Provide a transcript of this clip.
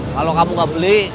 kalau kamu gak beli